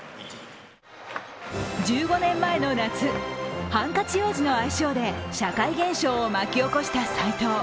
１５年前の夏、ハンカチ王子の愛称で社会現象を巻き起こした斎藤。